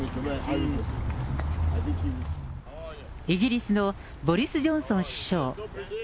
イギリスのボリス・ジョンソン首相。